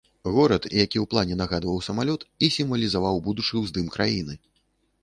Горад, які ў плане нагадваў самалёт і сімвалізаваў будучы ўздым краіны.